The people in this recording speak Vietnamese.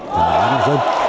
giải bóng bàn dân